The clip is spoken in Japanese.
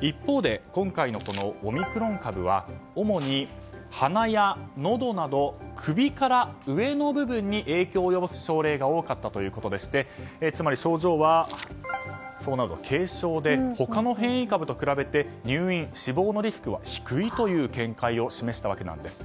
一方で今回のオミクロン株は主に、鼻やのどなど首から上の部分に影響を及ぼす症例が多かったということでしてつまり症状は軽症で他の変異株と比べて入院や死亡のリスクは低いという見解を示したわけです。